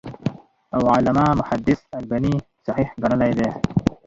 او علامه محدِّث الباني صحيح ګڼلی دی .